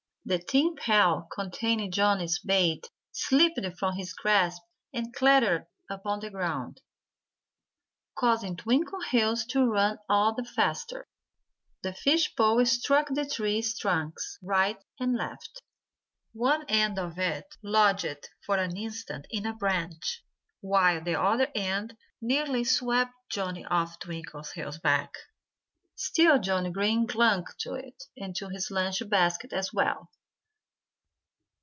The tin pail containing Johnnie's bait slipped from his grasp and clattered upon the ground, causing Twinkleheels to run all the faster. The fish pole struck the tree trunks right and left. One end of it lodged for an instant in a branch, while the other end nearly swept Johnnie off Twinkleheels' back. Still Johnnie Green clung to it and to his lunch basket as well.